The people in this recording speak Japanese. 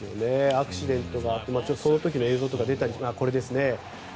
アクシデントがあってその時の映像がこれですね。